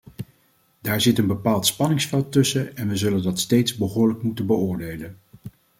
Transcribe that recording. Daar zit een bepaald spanningsveld tussen en we zullen dat steeds behoorlijk moeten beoordelen.